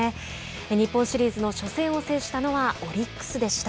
日本シリーズの初戦を制したのはオリックスでした。